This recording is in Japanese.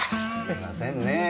すいませんねぇ。